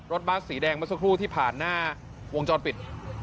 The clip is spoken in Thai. รถบัสสีแดงมาสักครู่ที่ผ่านหน้าวงจอดปิด